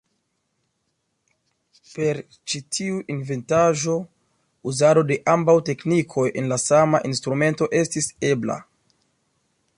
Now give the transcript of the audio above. Per ĉi tiu inventaĵo uzado de ambaŭ teknikoj en la sama instrumento estis ebla.